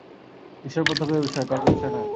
ঈশ্বর প্রত্যক্ষের বিষয়, তর্কের বিষয় নহেন।